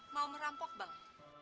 mau merampok bang